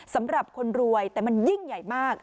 สำหรับคนรวยแต่มันยิ่งใหญ่มาก